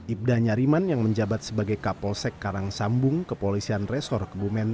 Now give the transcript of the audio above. ibtu nyariman yang menjabat sebagai kapolsek karang sambung kepolisian resor kebumen